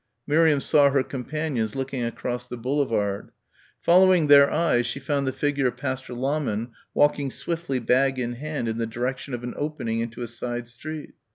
Miriam saw her companions looking across the boulevard. Following their eyes she found the figure of Pastor Lahmann walking swiftly bag in hand in the direction of an opening into a side street.